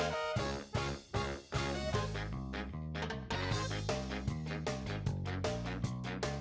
เฮ้เอ้ยเอ้ยเอ้ย